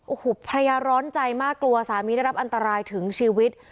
โอ้โหภรรยาร้อนใจมากกลัวสามีได้รับอันตรายถึงชีวิต